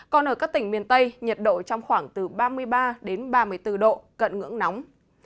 còn ở các tỉnh miền tây nhiệt độ trong khoảng từ ba mươi ba đến ba mươi bốn độ cận ngưỡng nóng